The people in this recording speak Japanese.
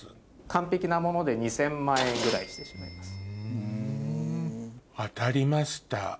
完璧なもので２０００万円ぐらいしてしまいます。